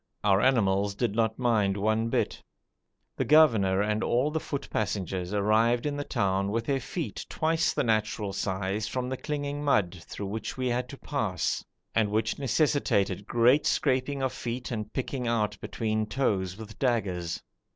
Our animals did not mind one bit. The governor and all the foot passengers arrived in the town with their feet twice the natural size from the clinging mud, through which we had to pass, and which necessitated great scraping of feet and picking out between toes with daggers.